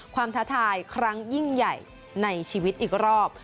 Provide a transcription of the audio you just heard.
ท้าทายครั้งยิ่งใหญ่ในชีวิตอีกรอบ